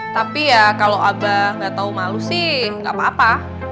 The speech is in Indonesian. tapi ya kalo abah gak tau malu sih gak apa apa